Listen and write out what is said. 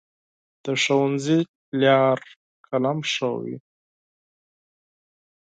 د ښوونځي لار قلم ښووي.